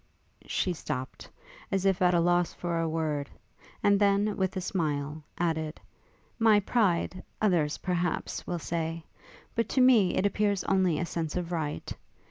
She stopt, as if at a loss for a word, and then, with a smile, added, 'my pride, others, perhaps, will say; but to me it appears only a sense of right.